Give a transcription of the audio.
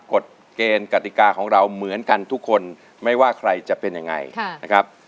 กฎเกณฑ์กติกาของเราเหมือนกันทุกคนไม่ว่าใครจะเป็นยังไงนะครับ